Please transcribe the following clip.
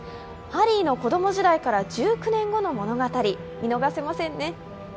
ハリーの子供時代から１９年後の物語、見逃せませんね。